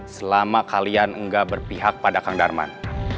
selama kalian enggak berpihak pada kang darman